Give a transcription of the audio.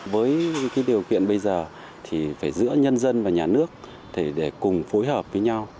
với điều kiện bây giờ thì phải giữa nhân dân và nhà nước để cùng phối hợp với nhau